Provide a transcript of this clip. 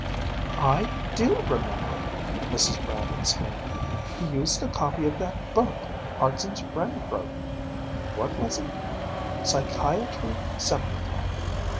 "I do remember!" Mrs. Brant exclaimed. "He used a copy of that book Hartson's friend wrote. What was it? _Psychiatry Simplified.